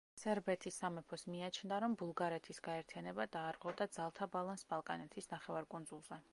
სერბეთის სამეფოს მიაჩნდა, რომ ბულგარეთის გაერთიანება დაარღვევდა ძალთა ბალანსს ბალკანეთის ნახევარკუნძულზე.